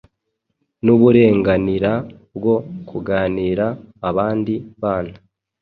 n'uburenganira bwo kuganiriza abandi bana